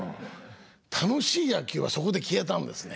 楽しい野球はそこで消えたんですね。